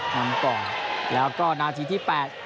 นำก่อนแล้วก็นาทีที่๘